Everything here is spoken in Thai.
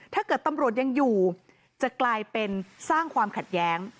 ถ้าเกิดตำรวจยังอยู่จะกลายเป็นสร้างความขัดแย้ง